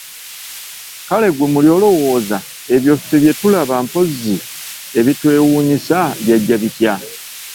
Kale ggwe muli olowooza ebyo ffe bye tulaba nga mpozzi ebiteewuunyisa byajja bitya?